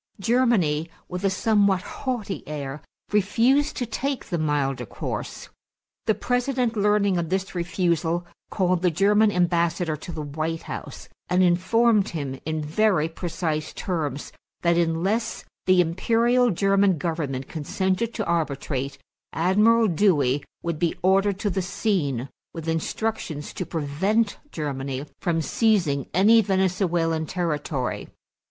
Germany, with a somewhat haughty air, refused to take the milder course. The President, learning of this refusal, called the German ambassador to the White House and informed him in very precise terms that, unless the Imperial German Government consented to arbitrate, Admiral Dewey would be ordered to the scene with instructions to prevent Germany from seizing any Venezuelan territory.